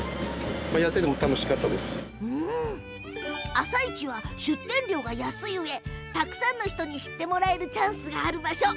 朝市は出店料が安いうえたくさんの人に知ってもらえるチャンスがある場所。